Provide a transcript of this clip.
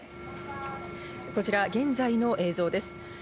こちら現在の映像です。